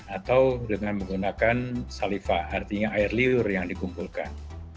atau dengan menggunakan saliva artinya air liur yang dikumpulkan